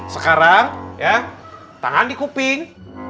sekarang ya tangan di kuping